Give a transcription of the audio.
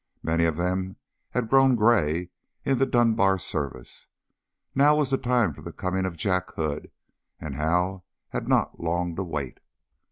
Many of them had grown gray in the Dunbar service. Now was the time for the coming of Jack Hood, and Hal had not long to wait.